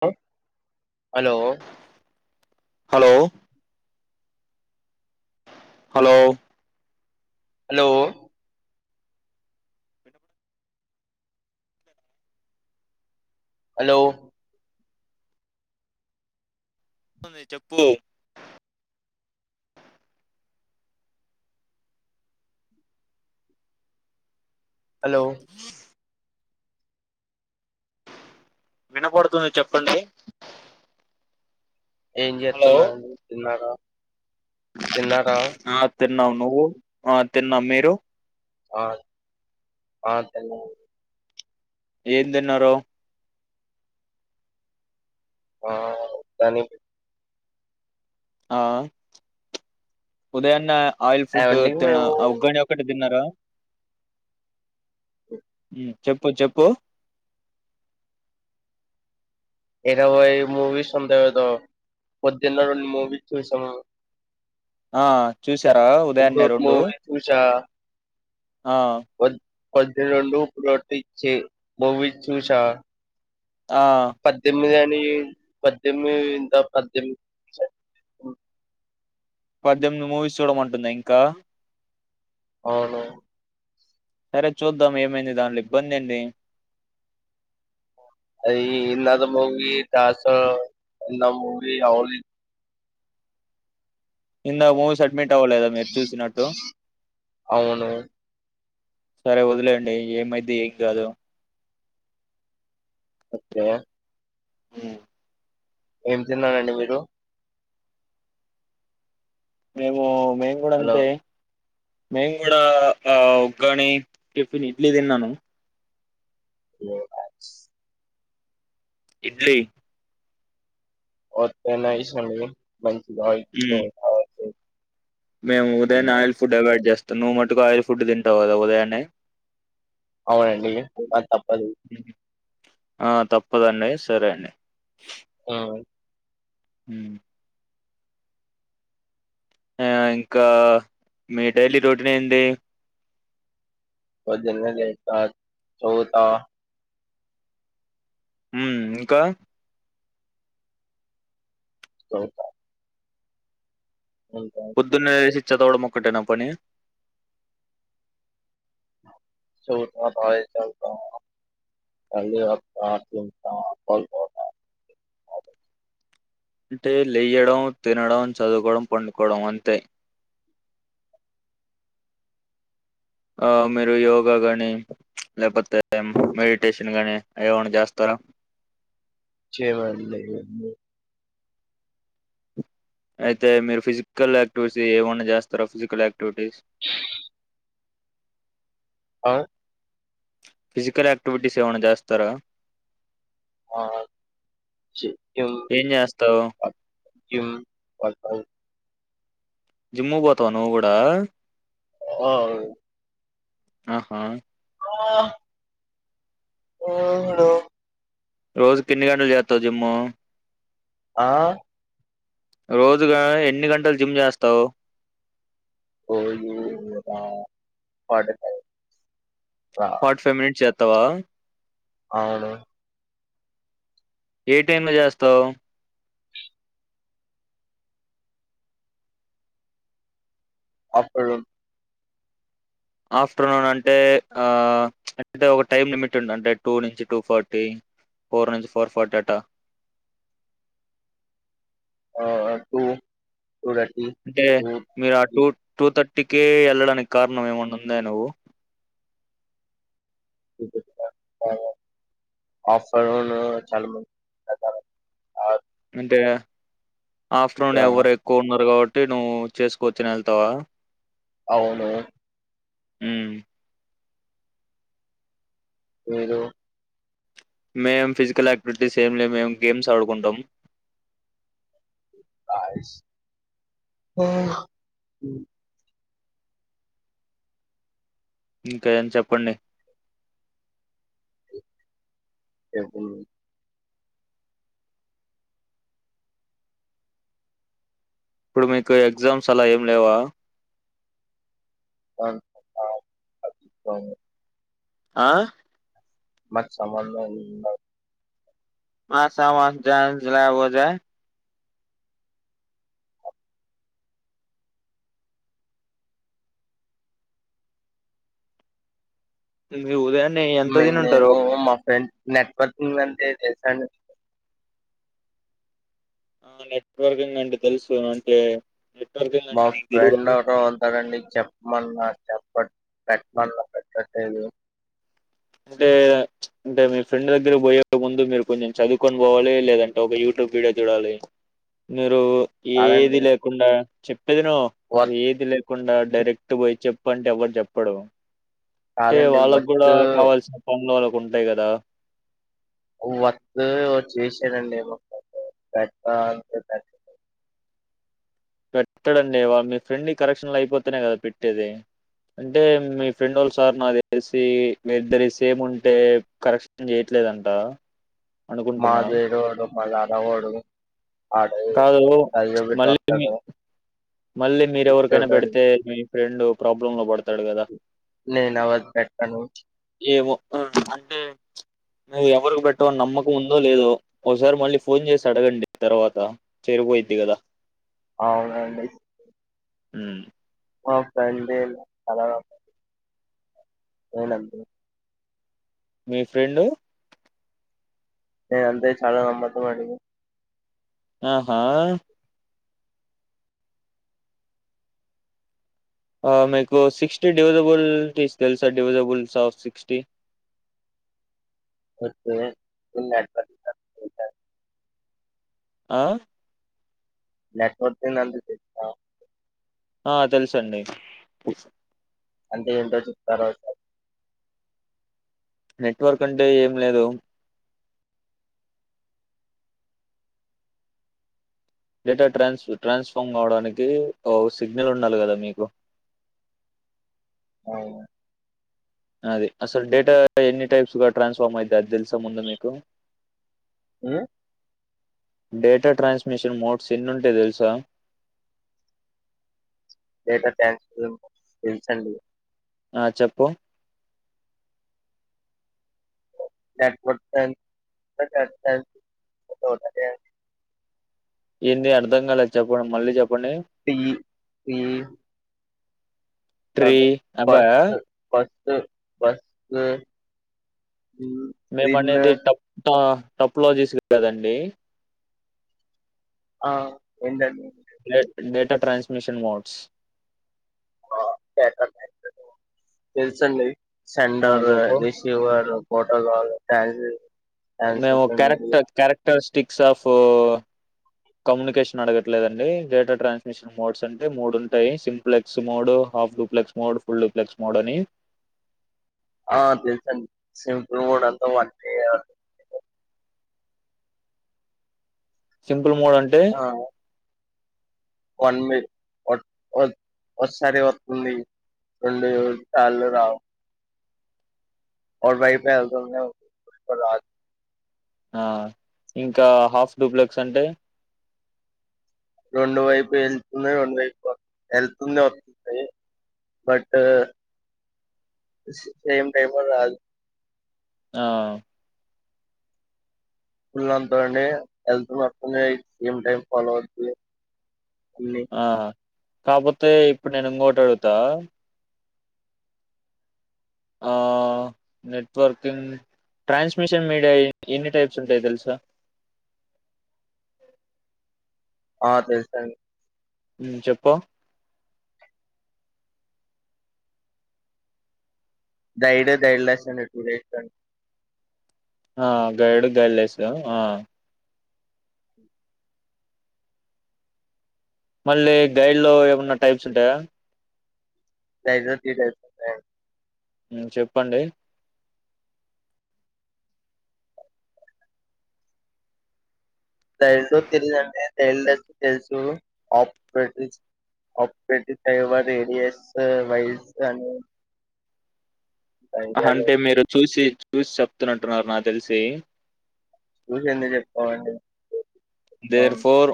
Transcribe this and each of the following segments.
[unintelligible] Hello hello హలోయ్ hello hello అవుంది చెప్పు hello వినపడుతుంది చెప్పండి ఏం హలో చేస్తున్నారండి తిన్నార తిన్నారా తిన్నము నువ్వు ఆ తిన్నము మీరు ఆ ఆ తిన ఏం తిన్నారు ఆ దని ఆ ఉదయాన్న ఆయిల్ ఫుడ్ ఏవండి తినగా మేము ఉగ్గని ఒకటి తిన్నారా ఓ చెప్పు చెప్పు ఏర వై మువీస్ ఉంటాయి కదా కొద్ది మువీస్ చూసాము ఆ చూసార ఇప్పుడు ఉదాన్నె ఒకటి రెండు మూవీ చూసా ఆ పధ్య రడు ప్రతి చే [inaudible] ఆ పద్దెనిమిది పద్దెనిమిదింద పద్దెమి పద్దెనిమిది మూవీస్ చూడమంటుంద ఇంకా అవును సరే చూద్దాం ఏమైంది దాంట్లో ఇబ్బంది ఏంది అ ఎతో మూవీ చస ఎ మూవీ అ ఇంద మూ స అడ్మెట్ అవ్వలేదా మీరు చూసినట్టు అవును సరే వదిలేండి ఏమైది ఏం కాదు అఓకే అ ఏం తిన్నారండి మీరు మేము మేం కూడా హలో అంతే మేను కూడా ఆ ఉగాని టిఫిన్ ఇడ్లీ తిన్నాను ఏ ఇడ్లీ నైస్ అండి ఆయిల్ తో మ్మ్ తయారు మేము ఉదయం చేసుకున్నాం. ఆయిల్ ఫుడ్ అవాయిడ్ చేస్తాం నువ్వు మటుకు ఆయిల్ ఫుడ్ తింటావు కదా ఉదయాన్న అవునండి తప్పదు ఆ తప్పదండి సరే అండి ఉమ్, హ ఆ ఇంకా మీ డైలీ రోటీని ఏంది పొద్దున లేస్త చదువుత హ్మ్ ఇంకా హలో పొద్దున్నే లేసి చదవడం ఒక్కటేనా పనీ [unintelligible] అంటే లేయడం, తినడం, చదువుకోవడం పండుకోవడం. అంతే ఆ మీరు యోగా గాని లేకపోతే మెడిటేషన్ తినగానే ఏమనా చేస్తారా చేమేడం అయితే మీరు ఫిజికల్ యాక్టివిటీ ఏమైన్నా చేస్తార ఫిజికల్ యాక్టి టూ వీటిస్ ఆ ఫిజికల్ యాక్టివిటీస్ ఏమైనా చేస్తారా [unintelligible] ఏం చేస్తావు? జిమ్ పడతావ్ జిమ్ పోతావా నువ్వు కూడా ఓ ఆహా ఆఓ [unintelligible] రోజుకు ఎన్ని గంటలు చేస్తావు జిమ్ము ఆ రోజుగా ఎన్ని గంటలు జిమ్ చేస్తావు. [unintelligible] ఫార్టీ ఫైవ్ మినిట్స్ చేత అత్తవా అవును ఏ టైమ్ లో చేస్తావు. ఆఫ్టేర్నూన్ ఆఫ్టర్నూన్ అంటే ఆ అంటే ఒక టైమ్ లిమిట్ ఉంది. అంటే టూ నుంచి టూ ఫార్టీ, ఫోర్ నుంచి ఫోర్ ఫార్టీ అంటా ఆ టూ అంటే మీరు ఆ టూ టూ థర్టీ ఇంటికే వెళ్ళడానికి కారణం ఏమన్నా ఉందా నువ్వు [unintelligible] ఆఫ్టేర్నూన్ చాలా మంది అంటే ఆఫటర్నూన్ యా, ఎవరు ఎక్కువ ఉండరు. కాబట్టి అంటే నువ్వు చేసుకోచ్చినా వెళ్తావా అవును హ్మ్ మీరు మేము ఫిజికల్ యాక్టివిటీస్ ఏమి లే మేము గేమ్స్ ఆడుకుంటాం. నైస్ ఇంకా ఏం చెప్పండి. ఎముంది ఇప్పుడు మీకు ఎగ్జామ్స్ అలా ఏం లేవా [unintelligible] ఆ మాకు సంబంధం ఉండదు. మాస మాస్ జాన్జలాబోజా స మీరు ఉదయాన్నే ఎంత మే నేను తినింటారు? మా ఫ్రెండ్ నెట్వర్కింగ్ అంటే దేశాన్ని ఆ నెట్వర్కింగ్ అండి తెలుసు అంటే నెట్వర్కింగ్ మా అంటే నీకు తెలీదా ఫ్రెండ్ ఒకరు వస్తాడు అండి చెప్పమన్నాడు చెప్ప పెట్ పెట్టన్న పెట్టట్లేదు అంటే, అంటే మీ ఫ్రెండ్ దగ్గర పోయే ముందు మీరు కొంచెం చదువుకొని పోవాలి లేదంటే ఒక యూట్యూబ్ వీడియో చూడాలి. మీరు ఏది కాదండి లేకుండా చెప్ ఇదేనొ వర్క్ ఏది లేకుండా డైరెక్ట్ పోయి చె చేప్పంటే ఎవడు చెప్పడు అంటే కాదండి వాళ్ళకి కూడా వర్క్ కావాల్సిన పనుల వాళ్ళకు ఉంటాయి కదా వత్తు చేసానండి ఏమో పెద్ద అంతే పె పెట్టడండి వారు మీ ఫ్రెండ్ కరెక్షన్లు అయిపోతనేయి కదా పెట్టేది. అంటే మీ ఫ్రెండ్ వాళ్ళ సార్ నా తెలిసి మీ ఇద్దరి సేమ్ ఉంటే కరెక్షన్ చేయట్లేదంట. అనుకుంటున్నా. మాధీదోడు మలా ఎవడు కాదు మళ్ళీ మళ్ళీ మీరెవరికైనా ఇచ్చోడాడు పెడితే మీ ఫ్రెండ్ ప్రాబ్లమ్ లో పడతాడు కదా నేను ఎవరికి పెట్టను ఏమో అంటే మేవు ఎవరికి పెట్టమని నమ్మకం ఉందో లేదో ఒకసారి మళ్ళీ ఫోన్ చేసి అడగండి తర్వాత చెరు పోయిద్ది కదా అవునండి మ్మ్ ఆ పెండి చాల అవునంత మీ ఫ్రెండు నే అంతే చాలా గమ్మతో అండి ఆహా ఆ మీకు సిక్స్టీ డివిజబుల్టీసు తెలుసా డివిజబుల్స్ ఆఫ్ సిక్స్టీ ఎ ఉన్నాంట [unintelligible] ఆ నెట్వర్క్ నందు తె ఆ తెలుసండి అంటే ఏంటో చెప్తారోసారి నెట్వర్క్ అంటే ఏం లేదు డేటా ట్రాన్స్ ట్రాన్స్ఫామ్ కావడానికి ఓ సిగ్నల్ ఉండాలి కదా మీకు అవు అది అసలు డేటా ఎన్ని టైప్స్ గా ట్రాన్స్ఫార్మ్ అయితే అది తెలుసా ముందు మీకు మ్ డేటా ట్రాన్స్మిషన్ మోడ్స్ ఎన్ని ఉంటాయి తెలుసా డేటా ట్రాన్స్ఫర్ తెలుసు అండి ఆ చెప్పు [inaudible] ఏన్ని అర్ధం కాలేదు చెప్పండి మళ్ళీ చెప్ టీ ఏ ట్రీ అవా మ్ బస్సు ఉమ్, మేము రిన్ అనేది టప్త టప్లోజీస్ కదండి ఆ ఎంట డేటా ట్రాన్స్మిషన్ మోడ్స్ తెలుసు అండి ఆ సేండర్ చెప్పు రిసీవరు ఫోటో కావాల [inaudible] మేము character characteristics of communication అడగట్లేదండి డేటా ట్రాన్స్మిషన్ మోడ్స్ అంటే మూడు ఉంటాయి simplex mode half duplex mode full duplex mode అని ఆ తెలుసు అండి సింఫుల్ మోడ్ అంత [inaudible] సిం సింపుల్ మోడ్ అంటే [inaudible] ఒకసారి వస్తుంది రెండు సార్లు రావు [unintelligible] ఆ ఇంకా హాఫ్ డూప్లెక్స్ అంటే రెండు వైపు వెళ్తుంది రెండు వైపు వెళ్తుంది వస్తుంది బట్ సేమ్ టైమ్ లో రాదు ఆ [unintelligible] సేమ్ టైం ఫాలో అవుతుంది ఆ కాకపోతే ఇప్పుడు నేను ఇంకోటి అడుగుతా ఆ నెట్వర్కింగ్ ట్రాన్స్మిషన్ మీడియా ఎన్ని టైప్స్ ఉంటాయి తెలుసా ఆ తెలుసు అండి మ్ చెప్పు గైడ్ గైడెలెస్ అని టూ టైప్స్ అండి ఆ గైడు గైలేస్ ఆ మళ్ళీ గైడ్ లో ఏమన్నా టైప్స్ ఉంటాయా గైడ్ లో త్రీ టైప్స్ ఉంటాయి మ్ చెప్పండి తైల్తో తెలిదుంటే తైల్ తెలుసు ఆపరేటి ఆపరేటి టైవ రేడియస్ వైస్ అని అహ సంఖ్యలు అంటే మీరు చూసి చూసి చెప్తున్నంటున్నారు నాకు తెలిసి చూసి ఎందుకు చెప్తామండి దేర్ ఫోర్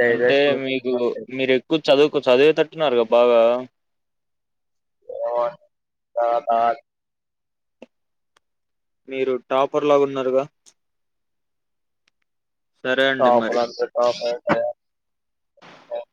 డైడ్ అంటే లెస్ మీకు మీరు ఎక్కువ చదువుకో చదివే తట్టునారు క బాగా [unintelligible] మీరు టాపర్ లాగా ఉన్నారుగా అండి టాపర్ మరి. అంట టాపర్